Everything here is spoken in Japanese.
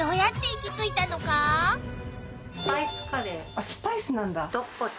スパイスなんだ。